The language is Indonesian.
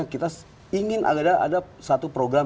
kita ingin agar ada satu program